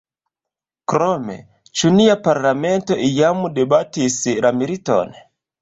Krome: ĉu nia parlamento iam debatis la militon?